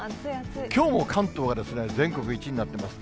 きょうも関東は全国１位になってます。